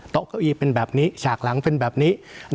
เก้าอี้เป็นแบบนี้ฉากหลังเป็นแบบนี้